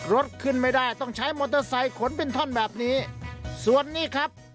รถขึ้นไม่ได้ต้องใช้มอเตอร์ไซค์ขนเป็นท่อนแบบนี้ส่วนนี้ครับ